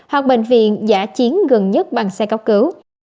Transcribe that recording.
hoặc bệnh viện giả chiến gần nhất bằng xe cấp cứu